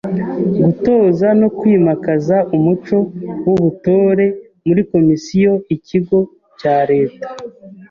Gutoza no kwimakaza umuco w’ubutore muri komisiyo/ikigo cya leta